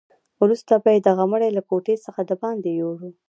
وروسته به یې دغه مړی له کوټې څخه دباندې یووړ.